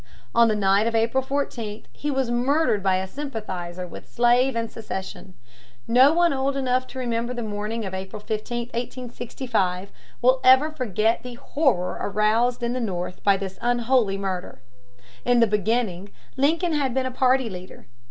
On the night of April 14 he was murdered by a sympathizer with slavery and secession. No one old enough to remember the morning of April 15, 1865, will ever forget the horror aroused in the North by this unholy murder. In the beginning Lincoln had been a party leader.